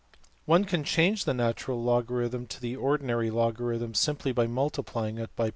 One can change the natural logarithm to the ordinary logarithm simply by multiplying it by $0.